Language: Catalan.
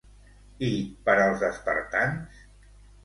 I per als espartans?